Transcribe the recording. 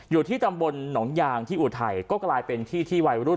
อยู่ที่ตำบลหนองยางที่อุทัยก็กลายเป็นที่ที่วัยรุ่น